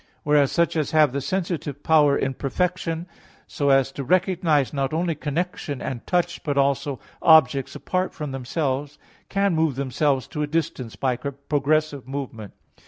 Whereas such as have the sensitive power in perfection, so as to recognize not only connection and touch, but also objects apart from themselves, can move themselves to a distance by progressive movement.